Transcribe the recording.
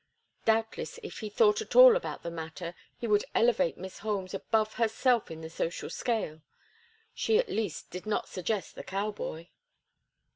Doubtless, if he thought at all about the matter, he would elevate Miss Holmes above herself in the social scale. She at least did not suggest the cow boy.